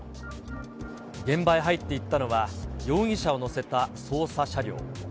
現場へ入っていったのは、容疑者を乗せた捜査車両。